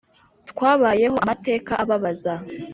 twabayeho amateka ababaza,